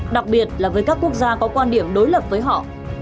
đặc biệt là với các quốc gia có quan điểm đối lập với họ